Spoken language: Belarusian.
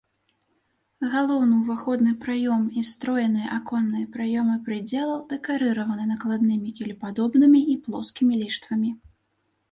Галоўны ўваходны праём і строеныя аконныя праёмы прыдзелаў дэкарыраваны накладнымі кілепадобнымі і плоскімі ліштвамі.